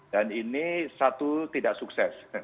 dan ini satu tidak sukses